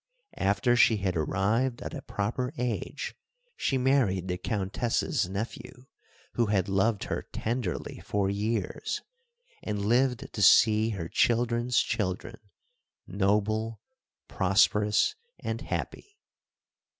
After she had arrived at a proper age she married the countess's nephew, who had loved her tenderly for years, and lived to see her children's children noble, prosperous, and happy.